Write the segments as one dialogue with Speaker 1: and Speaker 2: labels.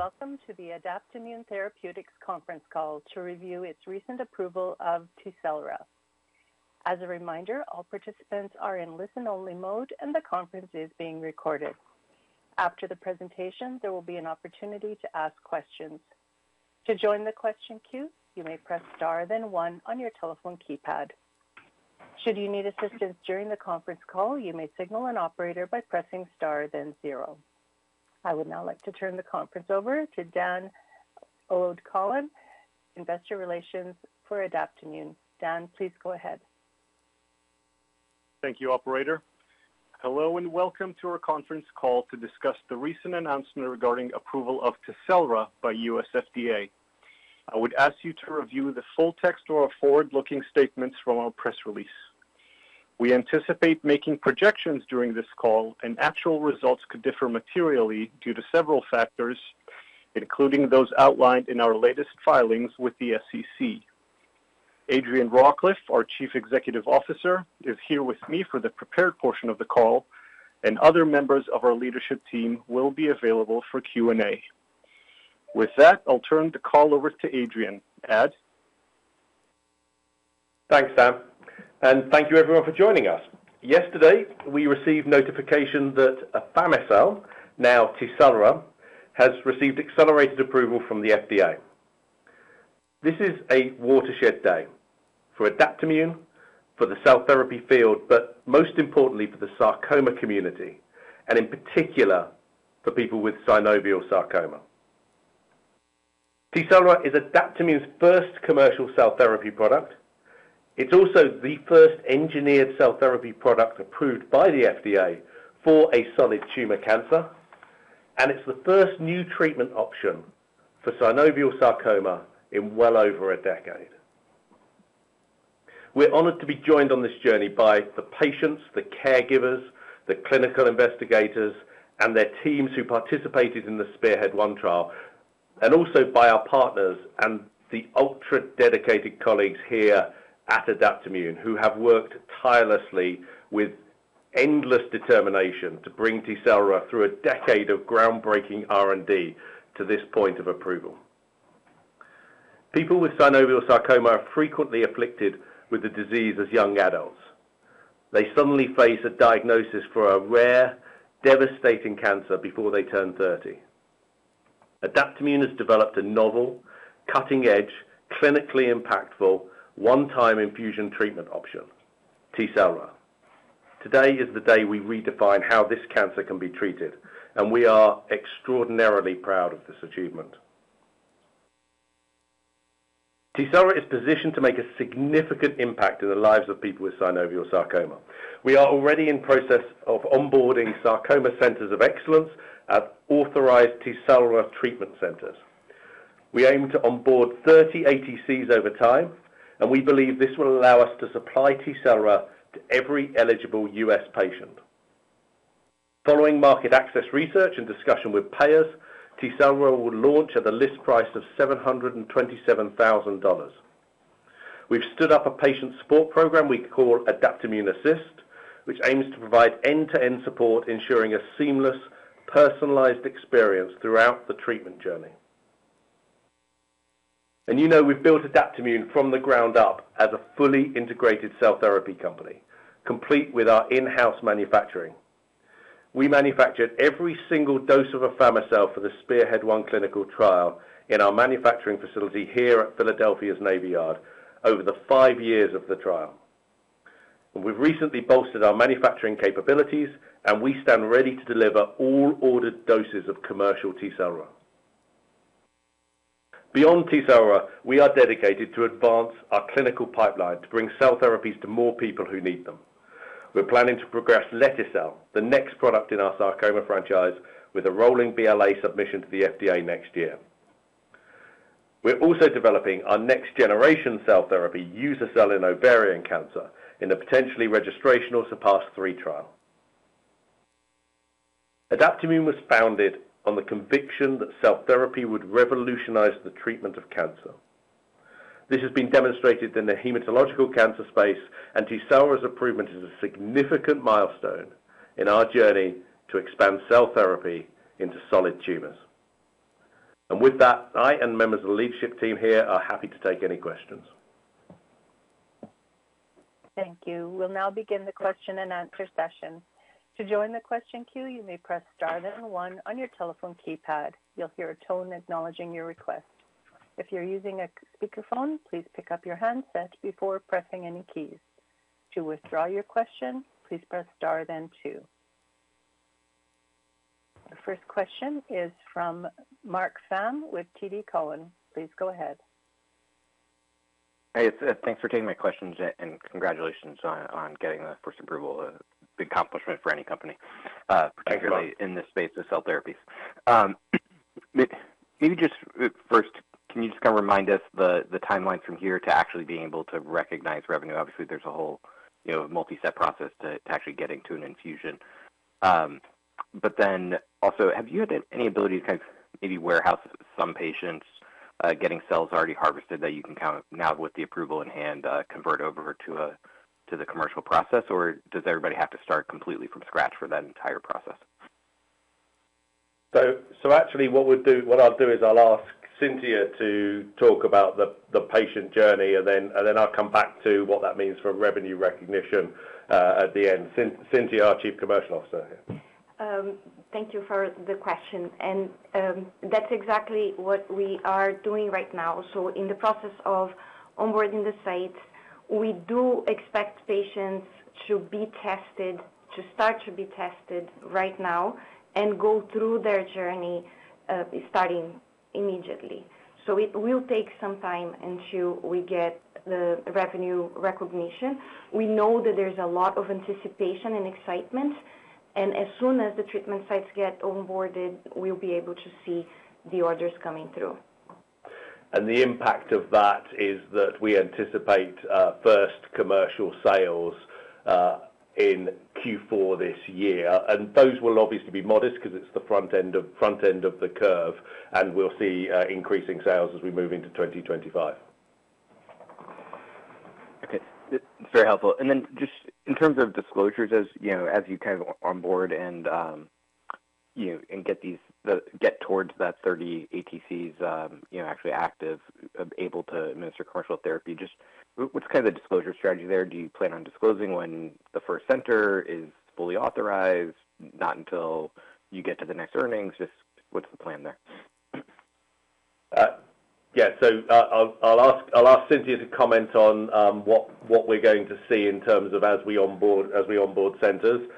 Speaker 1: Hello, and welcome to the Adaptimmune Therapeutics conference call to review its recent approval of Tecelra. As a reminder, all participants are in listen-only mode, and the conference is being recorded. After the presentation, there will be an opportunity to ask questions. To join the question queue, you may press star, then one on your telephone keypad. Should you need assistance during the conference call, you may signal an operator by pressing star, then zero. I would now like to turn the conference over to Dan O'Connor, Investor Relations for Adaptimmune. Dan, please go ahead.
Speaker 2: Thank you, Operator. Hello and welcome to our conference call to discuss the recent announcement regarding approval of Tecelra by U.S. FDA. I would ask you to review the full text or forward-looking statements from our press release. We anticipate making projections during this call, and actual results could differ materially due to several factors, including those outlined in our latest filings with the SEC. Adrian Rawcliffe, our Chief Executive Officer, is here with me for the prepared portion of the call, and other members of our leadership team will be available for Q&A. With that, I'll turn the call over to Adrian. Ad.
Speaker 3: Thanks, Dan. And thank you, everyone, for joining us. Yesterday, we received notification that afami-cel, now Tecelra, has received accelerated approval from the FDA. This is a watershed day for Adaptimmune, for the cell therapy field, but most importantly, for the sarcoma community, and in particular, for people with synovial sarcoma. Tecelra is Adaptimmune's first commercial cell therapy product. It's also the first engineered cell therapy product approved by the FDA for a solid tumor cancer, and it's the first new treatment option for synovial sarcoma in well over a decade. We're honored to be joined on this journey by the patients, the caregivers, the clinical investigators, and their teams who participated in the SPEARHEAD-1 trial, and also by our partners and the ultra-dedicated colleagues here at Adaptimmune who have worked tirelessly with endless determination to bring Tecelra through a decade of groundbreaking R&D to this point of approval. People with synovial sarcoma are frequently afflicted with the disease as young adults. They suddenly face a diagnosis for a rare, devastating cancer before they turn 30. Adaptimmune has developed a novel, cutting-edge, clinically impactful, one-time infusion treatment option, Tecelra. Today is the day we redefine how this cancer can be treated, and we are extraordinarily proud of this achievement. Tecelra is positioned to make a significant impact in the lives of people with synovial sarcoma. We are already in the process of onboarding sarcoma centers of excellence at authorized Tecelra treatment centers. We aim to onboard 30 ATCs over time, and we believe this will allow us to supply Tecelra to every eligible U.S. patient. Following market access research and discussion with payers, Tecelra will launch at a list price of $727,000. We've stood up a patient support program we call Adaptimmune Assist, which aims to provide end-to-end support, ensuring a seamless, personalized experience throughout the treatment journey. And you know we've built Adaptimmune from the ground up as a fully integrated cell therapy company, complete with our in-house manufacturing. We manufactured every single dose of afami-cel for the SPEARHEAD-1 clinical trial in our manufacturing facility here at Philadelphia Navy Yard over the five years of the trial. And we've recently bolstered our manufacturing capabilities, and we stand ready to deliver all ordered doses of commercial Tecelra. Beyond Tecelra, we are dedicated to advance our clinical pipeline to bring cell therapies to more people who need them. We're planning to progress lete-cel, the next product in our sarcoma franchise, with a rolling BLA submission to the FDA next year. We're also developing our next-generation cell therapy, uza-cel in ovarian cancer, in a potentially registration-enabling SPEARHEAD-3 trial. Adaptimmune was founded on the conviction that cell therapy would revolutionize the treatment of cancer. This has been demonstrated in the hematological cancer space, and Tecelra's approval is a significant milestone in our journey to expand cell therapy into solid tumors. With that, I and members of the leadership team here are happy to take any questions.
Speaker 1: Thank you. We'll now begin the question and answer session. To join the question queue, you may press star, then one on your telephone keypad. You'll hear a tone acknowledging your request. If you're using a speakerphone, please pick up your handset before pressing any keys. To withdraw your question, please press star, then two. Our first question is from Marc Frahm with TD Cowen. Please go ahead.
Speaker 4: Hey, thanks for taking my questions, and congratulations on getting the first approval. A big accomplishment for any company, particularly in this space of cell therapies. Maybe just first, can you just kind of remind us the timeline from here to actually being able to recognize revenue? Obviously, there's a whole multi-step process to actually getting to an infusion. But then also, have you had any ability to kind of maybe warehouse some patients getting cells already harvested that you can kind of now, with the approval in hand, convert over to the commercial process? Or does everybody have to start completely from scratch for that entire process?
Speaker 3: So actually, what I'll do is I'll ask Cintia to talk about the patient journey, and then I'll come back to what that means for revenue recognition at the end. Cintia, our Chief Commercial Officer.
Speaker 5: Thank you for the question. That's exactly what we are doing right now. In the process of onboarding the sites, we do expect patients to be tested, to start to be tested right now, and go through their journey starting immediately. It will take some time until we get the revenue recognition. We know that there's a lot of anticipation and excitement, and as soon as the treatment sites get onboarded, we'll be able to see the orders coming through.
Speaker 3: The impact of that is that we anticipate first commercial sales in Q4 this year. Those will obviously be modest because it's the front end of the curve, and we'll see increasing sales as we move into 2025.
Speaker 4: Okay. Very helpful. And then just in terms of disclosures, as you kind of onboard and get towards that 30 ATCs actually active, able to administer commercial therapy, just what's kind of the disclosure strategy there? Do you plan on disclosing when the first center is fully authorized, not until you get to the next earnings? Just what's the plan there?
Speaker 3: Yeah. So I'll ask Cintia to comment on what we're going to see in terms of as we onboard centers,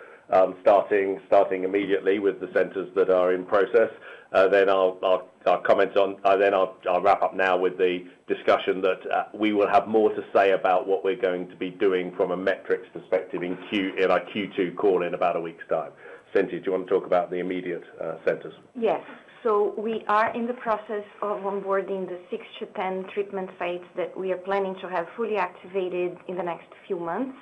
Speaker 3: starting immediately with the centers that are in process. Then I'll wrap up now with the discussion that we will have more to say about what we're going to be doing from a metrics perspective in our Q2 call in about a week's time. Cintia, do you want to talk about the immediate centers?
Speaker 5: Yes. So we are in the process of onboarding the 6-10 treatment sites that we are planning to have fully activated in the next few months.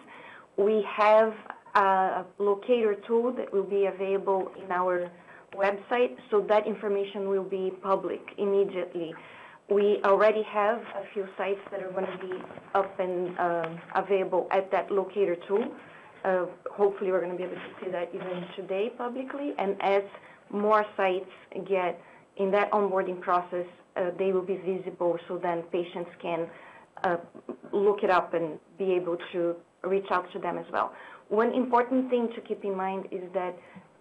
Speaker 5: We have a locator tool that will be available in our website, so that information will be public immediately. We already have a few sites that are going to be up and available at that locator tool. Hopefully, we're going to be able to see that even today publicly. And as more sites get in that onboarding process, they will be visible so then patients can look it up and be able to reach out to them as well. One important thing to keep in mind is that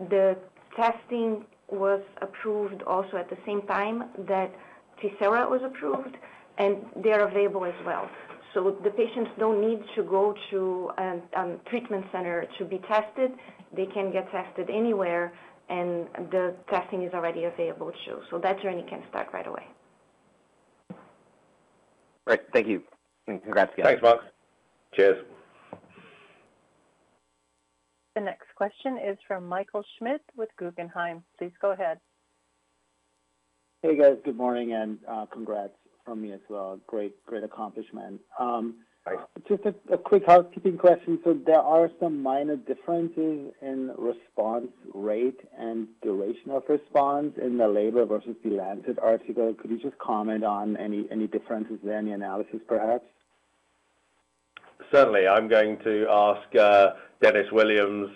Speaker 5: the testing was approved also at the same time that Tecelra was approved, and they are available as well. So the patients don't need to go to a treatment center to be tested. They can get tested anywhere, and the testing is already available too. So that journey can start right away.
Speaker 4: Great. Thank you. Congrats again.
Speaker 3: Thanks, Mark. Cheers.
Speaker 1: The next question is from Michael Schmidt with Guggenheim. Please go ahead.
Speaker 6: Hey, guys. Good morning and congrats from me as well. Great accomplishment. Just a quick housekeeping question. So there are some minor differences in response rate and duration of response in the label versus the Lancet article. Could you just comment on any differences there in the analysis, perhaps?
Speaker 3: Certainly. I'm going to ask Dennis Williams,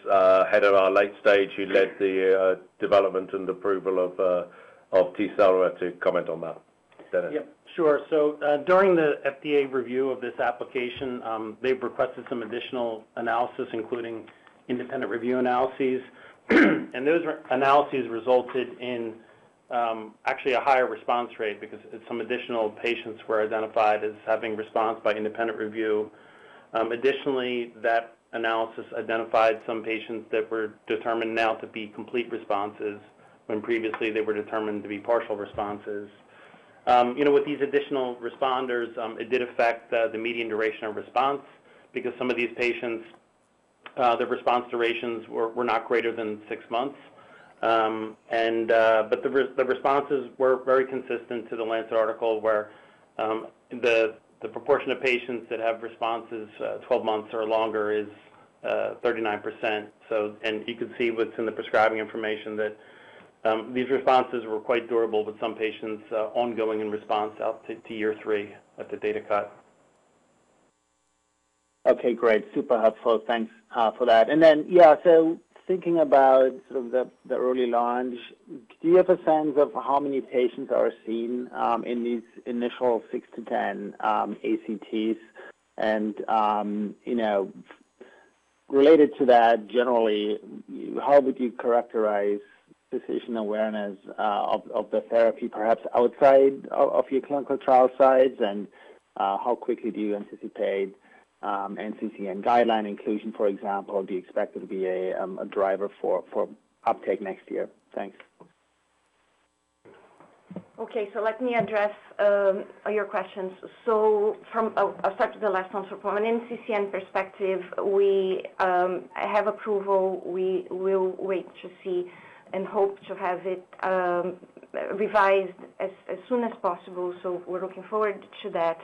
Speaker 3: head of our late stage, who led the development and approval of Tecelra, to comment on that. Dennis.
Speaker 7: Yep. Sure. So during the FDA review of this application, they've requested some additional analysis, including independent review analyses. Those analyses resulted in actually a higher response rate because some additional patients were identified as having response by independent review. Additionally, that analysis identified some patients that were determined now to be complete responses when previously they were determined to be partial responses. With these additional responders, it did affect the median duration of response because some of these patients, their response durations were not greater than 6 months. The responses were very consistent to the Lancet article where the proportion of patients that have responses 12 months or longer is 39%. You can see what's in the prescribing information that these responses were quite durable with some patients ongoing in response up to year 3 at the data cut.
Speaker 6: Okay. Great. Super helpful. Thanks for that. And then, yeah, so thinking about sort of the early launch, do you have a sense of how many patients are seen in these initial 6-10 ATCs? And related to that, generally, how would you characterize physician awareness of the therapy, perhaps outside of your clinical trial sites? And how quickly do you anticipate NCCN guideline inclusion, for example, would you expect it to be a driver for uptake next year? Thanks.
Speaker 5: Okay. So let me address your questions. So I'll start with the last one, from an NCCN perspective. We have approval. We will wait to see and hope to have it revised as soon as possible. So we're looking forward to that.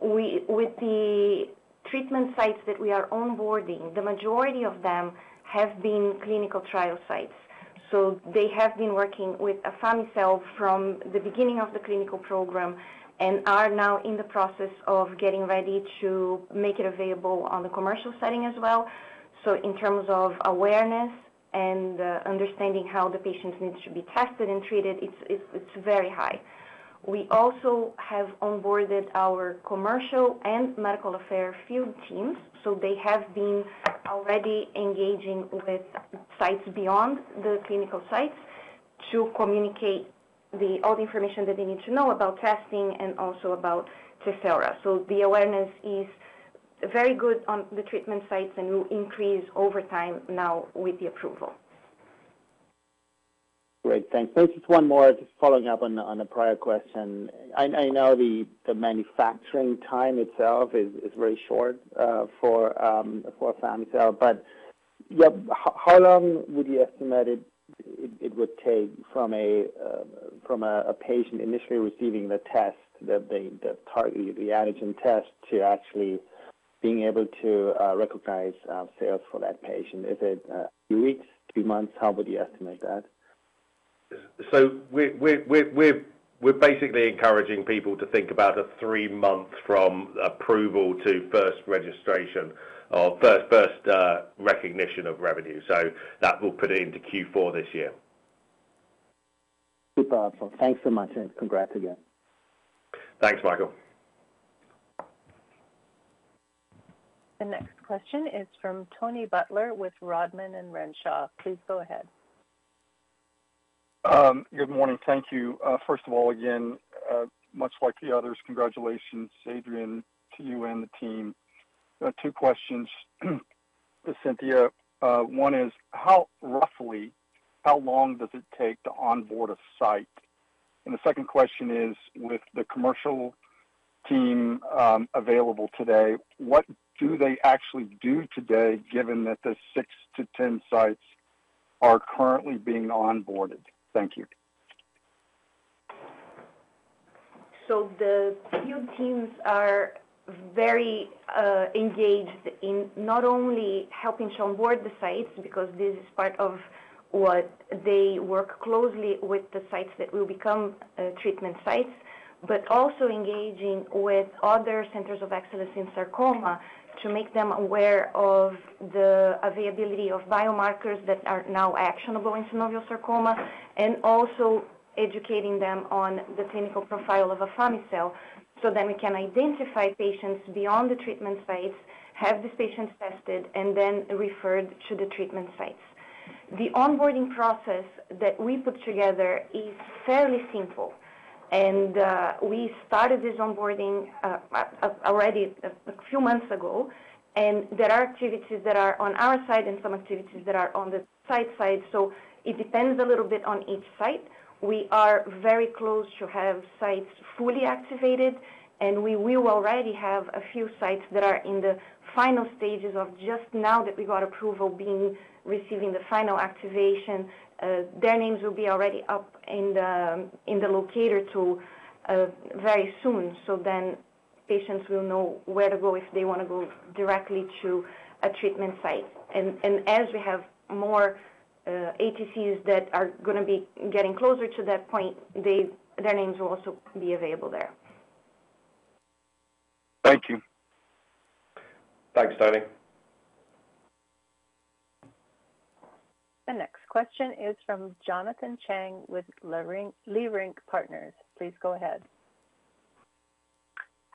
Speaker 5: With the treatment sites that we are onboarding, the majority of them have been clinical trial sites. So they have been working with afami-cel from the beginning of the clinical program and are now in the process of getting ready to make it available in the commercial setting as well. So in terms of awareness and understanding how the patients need to be tested and treated, it's very high. We also have onboarded our commercial and medical affairs field teams. So they have been already engaging with sites beyond the clinical sites to communicate all the information that they need to know about testing and also about Tecelra. So the awareness is very good on the treatment sites and will increase over time now with the approval.
Speaker 6: Great. Thanks. Maybe just one more, just following up on a prior question. I know the manufacturing time itself is very short for afami-cel, but yep, how long would you estimate it would take from a patient initially receiving the test, the antigen test, to actually being able to recognize sales for that patient? Is it a few weeks, a few months? How would you estimate that?
Speaker 3: We're basically encouraging people to think about a 3-month from approval to first registration or first recognition of revenue. That will put it into Q4 this year.
Speaker 6: Super helpful. Thanks so much, and congrats again.
Speaker 3: Thanks, Michael.
Speaker 1: The next question is from Tony Butler with Rodman & Renshaw. Please go ahead.
Speaker 8: Good morning. Thank you. First of all, again, much like the others, congratulations, Adrian, to you and the team. Two questions for Cintia. One is, how roughly, how long does it take to onboard a site? And the second question is, with the commercial team available today, what do they actually do today given that the 6-10 sites are currently being onboarded? Thank you.
Speaker 5: So the field teams are very engaged in not only helping to onboard the sites because this is part of what they work closely with the sites that will become treatment sites, but also engaging with other centers of excellence in sarcoma to make them aware of the availability of biomarkers that are now actionable in synovial sarcoma and also educating them on the clinical profile of afami-cel so then we can identify patients beyond the treatment sites, have these patients tested, and then referred to the treatment sites. The onboarding process that we put together is fairly simple. We started this onboarding already a few months ago. There are activities that are on our side and some activities that are on the site side. It depends a little bit on each site. We are very close to have sites fully activated, and we will already have a few sites that are in the final stages of just now that we got approval being receiving the final activation. Their names will be already up in the locator tool very soon. So then patients will know where to go if they want to go directly to a treatment site. As we have more ATCs that are going to be getting closer to that point, their names will also be available there.
Speaker 8: Thank you.
Speaker 3: Thanks, Tony.
Speaker 1: The next question is from Jonathan Chang with Leerink Partners. Please go ahead.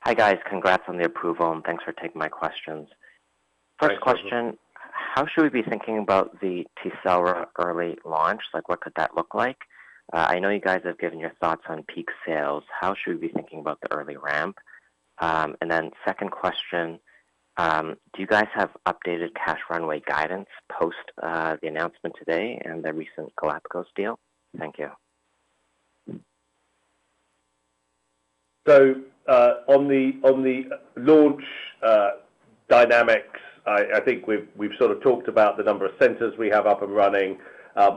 Speaker 9: Hi guys. Congrats on the approval, and thanks for taking my questions. First question, how should we be thinking about the Tecelra early launch? What could that look like? I know you guys have given your thoughts on peak sales. How should we be thinking about the early ramp? And then second question, do you guys have updated cash runway guidance post the announcement today and the recent Galapagos deal? Thank you.
Speaker 3: So on the launch dynamics, I think we've sort of talked about the number of centers we have up and running.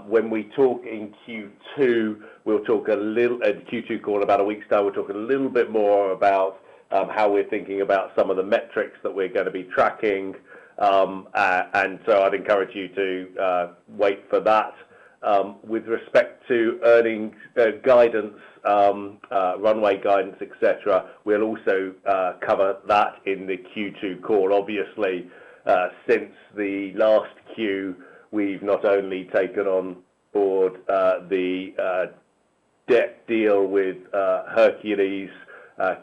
Speaker 3: When we talk in Q2, we'll talk a little at the Q2 call about a week's time. We'll talk a little bit more about how we're thinking about some of the metrics that we're going to be tracking. And so I'd encourage you to wait for that. With respect to earnings guidance, runway guidance, etc., we'll also cover that in the Q2 call. Obviously, since the last Q, we've not only taken on board the debt deal with Hercules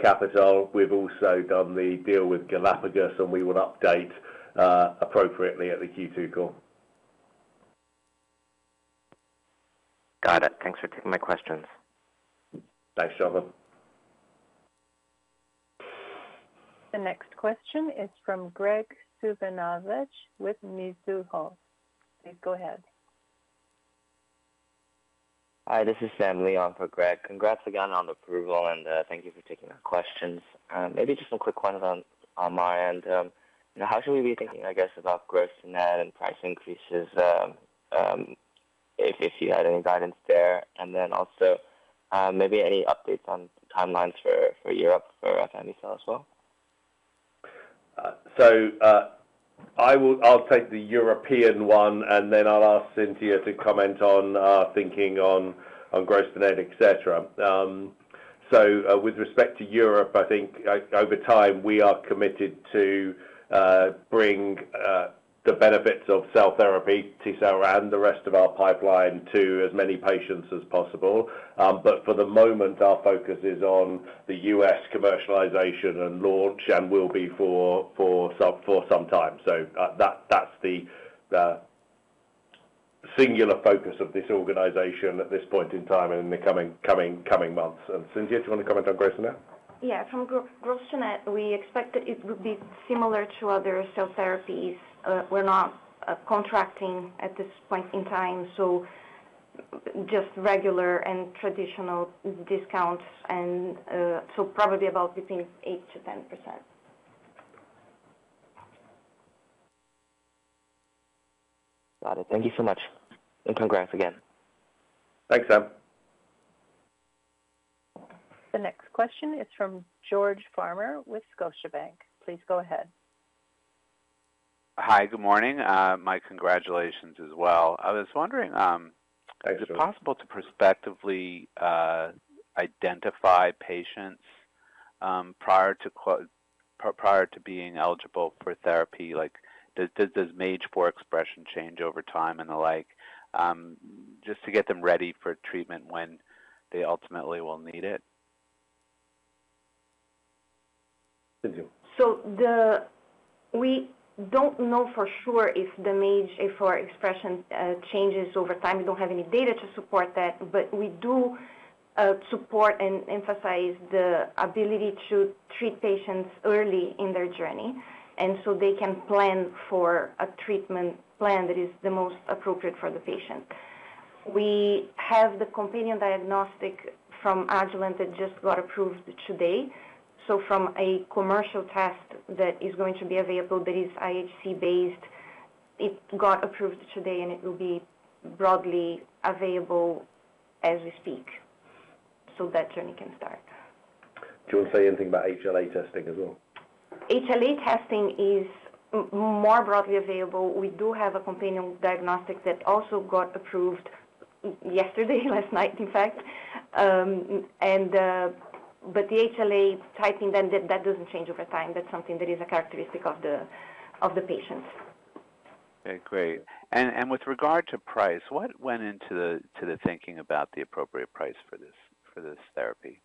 Speaker 3: Capital, we've also done the deal with Galapagos, and we will update appropriately at the Q2 call.
Speaker 9: Got it. Thanks for taking my questions.
Speaker 3: Thanks, John.
Speaker 1: The next question is from Graig Suvannavejh with Mizuho. Please go ahead.
Speaker 10: Hi, this is Sam Slutsky for Graig Suvannavejh. Congrats again on the approval, and thank you for taking our questions. Maybe just some quick ones on my end. How should we be thinking, I guess, about gross-to-net and price increases if you had any guidance there? And then also maybe any updates on timelines for Europe for afami-cel as well?
Speaker 3: So I'll take the European one, and then I'll ask Cintia to comment on thinking on gross-to-net, etc. So with respect to Europe, I think over time we are committed to bring the benefits of cell therapy, Tecelra, and the rest of our pipeline to as many patients as possible. But for the moment, our focus is on the U.S. commercialization and launch and will be for some time. So that's the singular focus of this organization at this point in time and in the coming months. And Cintia, do you want to comment on growth in that?
Speaker 5: Yeah. From gross-to-, we expect that it will be similar to other cell therapies. We're not contracting at this point in time. So just regular and traditional discounts, and so probably about between 8%-10%.
Speaker 10: Got it. Thank you so much. And congrats again.
Speaker 3: Thanks, Sam.
Speaker 1: The next question is from George Farmer with Scotiabank. Please go ahead.
Speaker 11: Hi, good morning. My congratulations as well. I was wondering.
Speaker 3: Thanks for coming.
Speaker 11: Is it possible to prospectively identify patients prior to being eligible for therapy? Does MAGE-A4 expression change over time and the like, just to get them ready for treatment when they ultimately will need it? Thank you.
Speaker 5: So we don't know for sure if the MAGE-A4 expression changes over time. We don't have any data to support that, but we do support and emphasize the ability to treat patients early in their journey, and so they can plan for a treatment plan that is the most appropriate for the patient. We have the companion diagnostic from Agilent that just got approved today. So from a commercial test that is going to be available that is IHC-based, it got approved today, and it will be broadly available as we speak so that journey can start.
Speaker 11: Do you want to say anything about HLA testing as well?
Speaker 5: HLA testing is more broadly available. We do have a companion diagnostic that also got approved yesterday, last night, in fact. But the HLA typing then, that doesn't change over time. That's something that is a characteristic of the patients.
Speaker 11: Okay. Great. And with regard to price, what went into the thinking about the appropriate price for this therapy?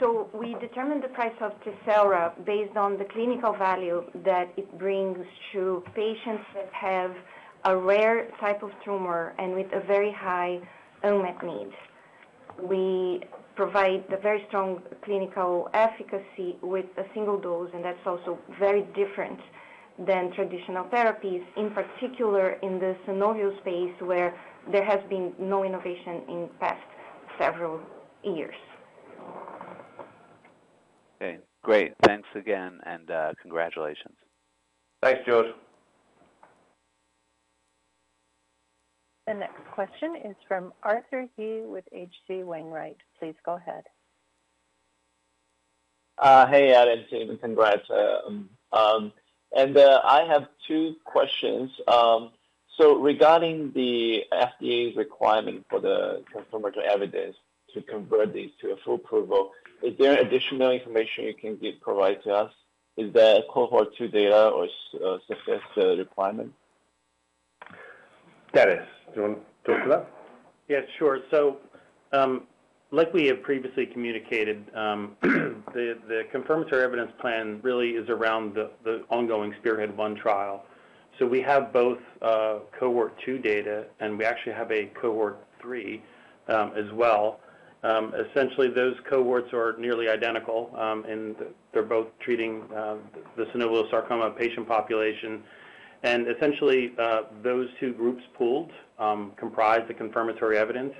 Speaker 5: So we determined the price of Tecelra based on the clinical value that it brings to patients that have a rare type of tumor and with a very high unmet need. We provide the very strong clinical efficacy with a single dose, and that's also very different than traditional therapies, in particular in the synovial space where there has been no innovation in the past several years.
Speaker 11: Okay. Great. Thanks again, and congratulations.
Speaker 3: Thanks, George.
Speaker 1: The next question is from Arthur He with H.C. Wainwright. Please go ahead.
Speaker 12: Hey, Adam. Thank you. Congrats. And I have two questions. So, regarding the FDA's requirement for the confirmatory evidence to convert these to a full approval, is there additional information you can provide to us? Is that a Cohort 2 data or a successful requirement?
Speaker 3: Thaddeus, do you want to talk to that?
Speaker 13: Yeah, sure. So like we have previously communicated, the confirmatory evidence plan really is around the ongoing SPEARHEAD-1 trial. So we have both Cohort 2 data, and we actually have a Cohort 3 as well. Essentially, those cohorts are nearly identical, and they're both treating the synovial sarcoma patient population. And essentially, those two groups pooled comprise the confirmatory evidence,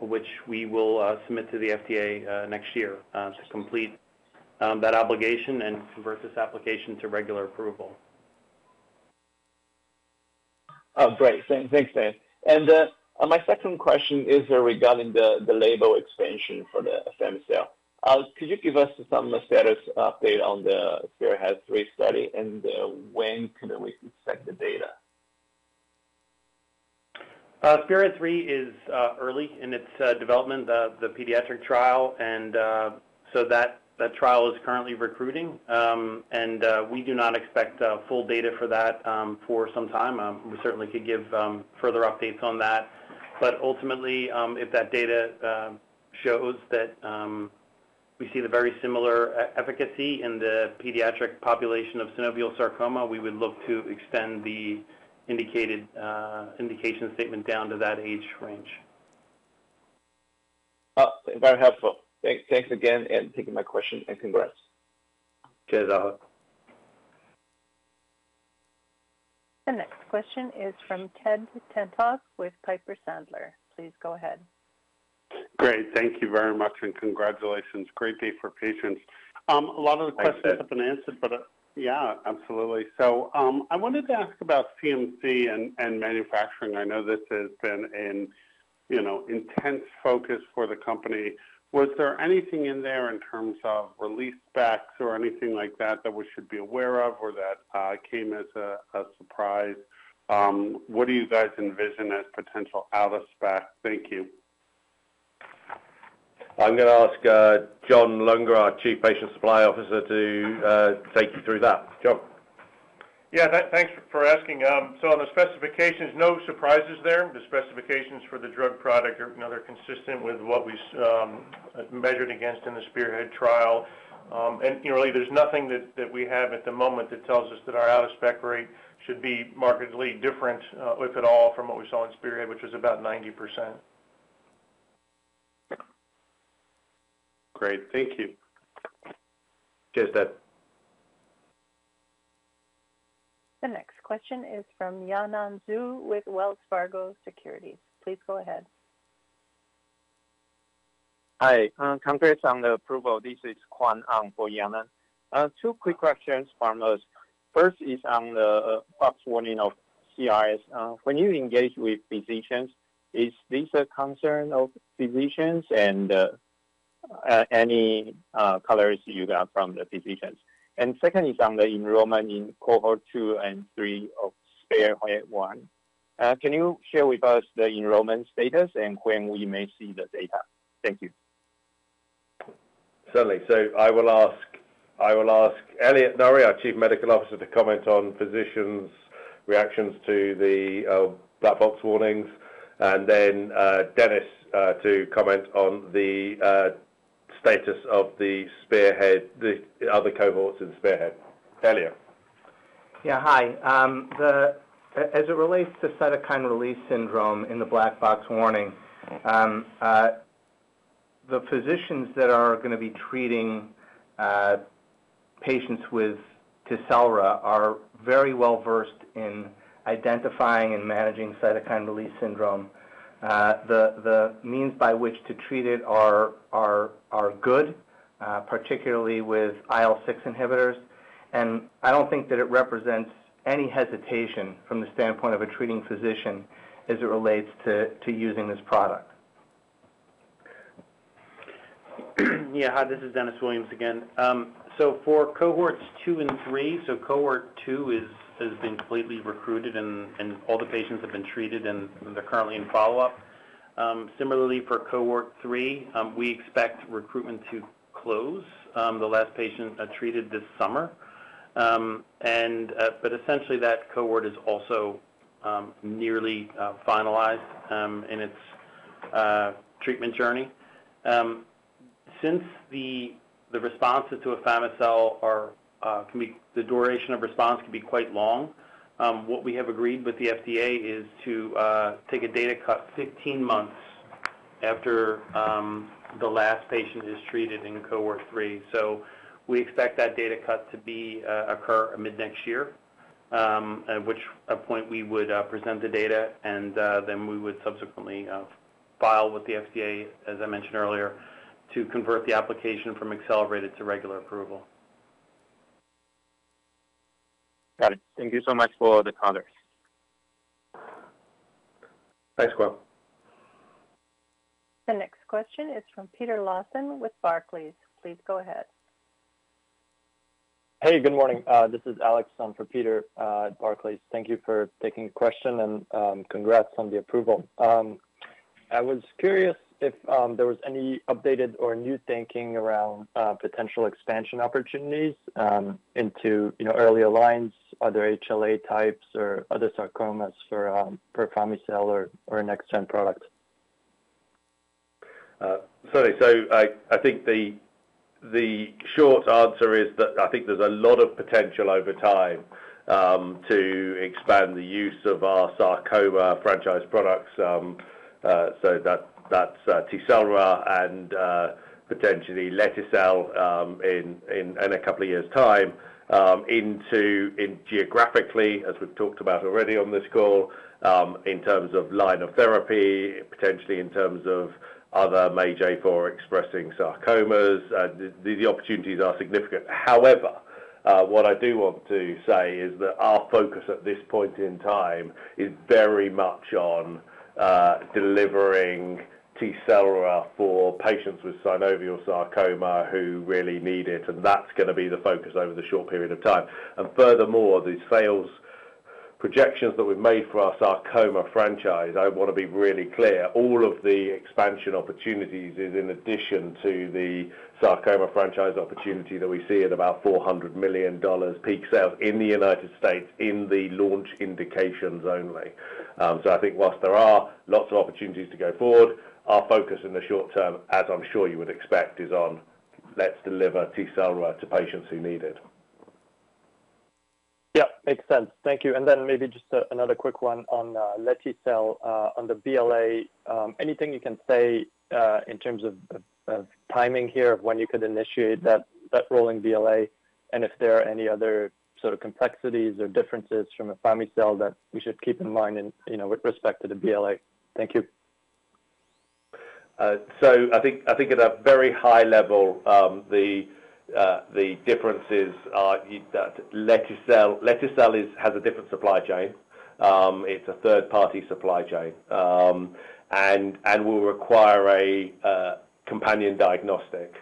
Speaker 13: which we will submit to the FDA next year to complete that obligation and convert this application to regular approval.
Speaker 12: Oh, great. Thanks, Sam. And my second question is regarding the label expansion for afami-cel. Could you give us some status update on the SPEARHEAD-3 study, and when can we expect the data?
Speaker 13: SPEARHEAD-3 is early in its development, the pediatric trial. So that trial is currently recruiting, and we do not expect full data for that for some time. We certainly could give further updates on that. Ultimately, if that data shows that we see the very similar efficacy in the pediatric population of synovial sarcoma, we would look to extend the indication statement down to that age range.
Speaker 12: Very helpful. Thanks again for taking my question, and congrats.
Speaker 13: Cheers, Arthur.
Speaker 1: The next question is from Ted Tenthoff with Piper Sandler. Please go ahead.
Speaker 14: Great. Thank you very much, and congratulations. Great day for patients. A lot of the questions have been answered, but yeah, absolutely. So I wanted to ask about CMC and manufacturing. I know this has been an intense focus for the company. Was there anything in there in terms of release specs or anything like that that we should be aware of or that came as a surprise? What do you guys envision as potential out-of-spec? Thank you.
Speaker 3: I'm going to ask John Lunger, our Chief Patient Supply Officer, to take you through that. John?
Speaker 15: Yeah. Thanks for asking. So on the specifications, no surprises there. The specifications for the drug product are consistent with what we measured against in the Spearhead trial. And really, there's nothing that we have at the moment that tells us that our out-of-spec rate should be markedly different, if at all, from what we saw in Spearhead, which was about 90%.
Speaker 14: Great. Thank you.
Speaker 3: Cheers, Ted.
Speaker 1: The next question is from Yanan Zhu with Wells Fargo Securities. Please go ahead.
Speaker 16: Hi. Congrats on the approval. This is Quan Wan for Yanan Zhu. Two quick questions from us. First is on the box warning of CRS. When you engage with physicians, is this a concern of physicians and any colors you got from the physicians? And second is on the enrollment in Cohort 2 and 3 of SPEARHEAD-1. Can you share with us the enrollment status and when we may see the data? Thank you.
Speaker 3: Certainly. So I will ask Elliot Norry, our Chief Medical Officer, to comment on physicians' reactions to the black box warnings. And then Dennis to comment on the status of the other cohorts in SPEARHEAD. Elliot.
Speaker 13: Yeah. Hi. As it relates to cytokine release syndrome in the black box warning, the physicians that are going to be treating patients with Tecelra are very well versed in identifying and managing cytokine release syndrome. The means by which to treat it are good, particularly with IL-6 inhibitors. I don't think that it represents any hesitation from the standpoint of a treating physician as it relates to using this product.
Speaker 15: Yeah. Hi, this is Dennis Williams again. So for Cohorts 2 and 3, so Cohort 2 has been completely recruited, and all the patients have been treated, and they're currently in follow-up. Similarly, for Cohort 3, we expect recruitment to close. The last patient treated this summer. But essentially, that cohort is also nearly finalized in its treatment journey. Since the responses to afami-cel can be the duration of response can be quite long, what we have agreed with the FDA is to take a data cut 15 months after the last patient is treated in Cohort 3. So we expect that data cut to occur mid-next year, at which point we would present the data, and then we would subsequently file with the FDA, as I mentioned earlier, to convert the application from accelerated to regular approval.
Speaker 16: Got it. Thank you so much for the comments.
Speaker 3: Thanks, Quan.
Speaker 1: The next question is from Peter Lawson with Barclays. Please go ahead.
Speaker 17: Hey, good morning. This is Alex for Peter at Barclays. Thank you for taking the question, and congrats on the approval. I was curious if there was any updated or new thinking around potential expansion opportunities into earlier lines, other HLA types, or other sarcomas for afami-cel or a next-gen product.
Speaker 3: Certainly. So I think the short answer is that I think there's a lot of potential over time to expand the use of our sarcoma franchise products. So that's Tecelra and potentially lete-cel in a couple of years' time into geographically, as we've talked about already on this call, in terms of line of therapy, potentially in terms of other MAGE-A4 expressing sarcomas. The opportunities are significant. However, what I do want to say is that our focus at this point in time is very much on delivering Tecelra for patients with synovial sarcoma who really need it, and that's going to be the focus over the short period of time. And furthermore, the sales projections that we've made for our sarcoma franchise, I want to be really clear, all of the expansion opportunities is in addition to the sarcoma franchise opportunity that we see at about $400 million peak sales in the United States in the launch indications only. So I think whilst there are lots of opportunities to go forward, our focus in the short term, as I'm sure you would expect, is on let's deliver Tecelra to patients who need it.
Speaker 17: Yep. Makes sense. Thank you. And then maybe just another quick one on lete-cel on the BLA. Anything you can say in terms of timing here of when you could initiate that rolling BLA and if there are any other sort of complexities or differences from an afami-cel that we should keep in mind with respect to the BLA? Thank you.
Speaker 3: So I think at a very high level, the differences are that lete-cel has a different supply chain. It's a third-party supply chain and will require a companion diagnostic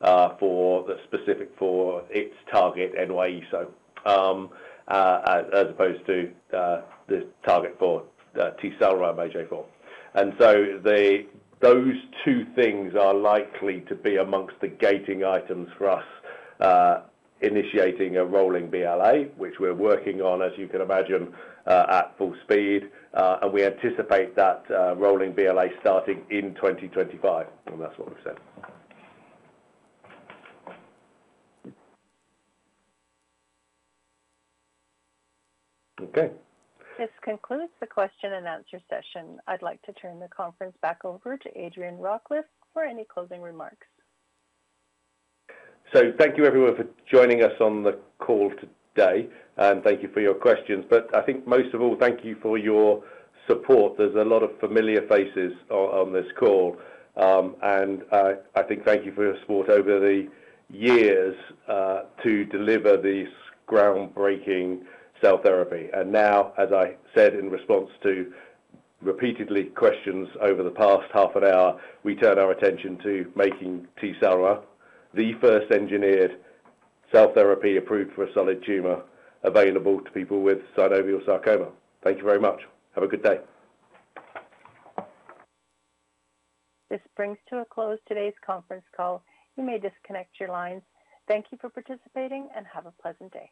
Speaker 3: specific for its target NY-ESO-1, so as opposed to the target for Tecelra and MAGE-A4. And so those two things are likely to be amongst the gating items for us initiating a rolling BLA, which we're working on, as you can imagine, at full speed. And we anticipate that rolling BLA starting in 2025. And that's what we've said. Okay.
Speaker 1: This concludes the question and answer session. I'd like to turn the conference back over to Adrian Rawcliffe for any closing remarks.
Speaker 3: Thank you, everyone, for joining us on the call today. Thank you for your questions. But I think most of all, thank you for your support. There's a lot of familiar faces on this call. I think thank you for your support over the years to deliver this groundbreaking cell therapy. Now, as I said in response to repeated questions over the past half an hour, we turn our attention to making Tecelra the first engineered cell therapy approved for a solid tumor available to people with synovial sarcoma. Thank you very much. Have a good day.
Speaker 1: This brings to a close today's conference call. You may disconnect your lines. Thank you for participating, and have a pleasant day.